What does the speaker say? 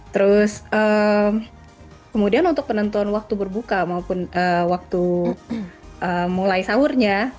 terus kemudian untuk penentuan waktu berbuka maupun waktu mulai sahurnya